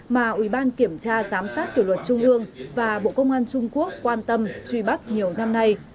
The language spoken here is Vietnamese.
mà ủy ban kiểm tra giám sát kỷ luật trung ương và bộ công an trung quốc quan tâm truy bắt nhiều năm nay